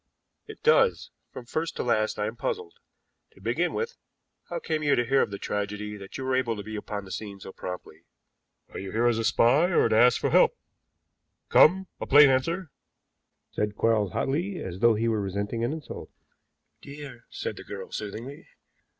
"It does. From first to last I am puzzled. To begin with, how came you to hear of the tragedy that you were able to be upon the scene so promptly?" "Are you here as a spy or to ask for help? Come, a plain answer," said Quarles hotly, as though he were resenting an insult. "Dear!" said the girl soothingly.